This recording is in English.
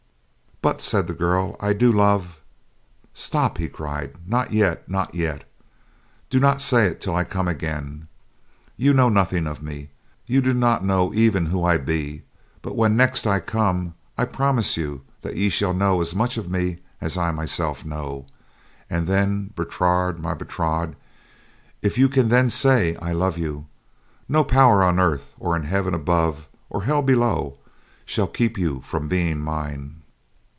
"But," said the girl, "I do love—" "Stop," he cried, "not yet, not yet. Do not say it till I come again. You know nothing of me, you do not know even who I be; but when next I come, I promise that ye shall know as much of me as I myself know, and then, Bertrade, my Bertrade, if you can then say, 'I love you' no power on earth, or in heaven above, or hell below shall keep you from being mine!"